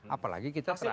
apalagi kita terakhir